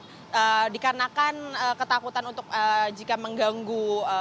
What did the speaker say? karena dikarenakan ketakutan untuk jika mengganggu